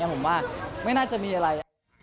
ผมว่าไม่น่าจะมีอะไร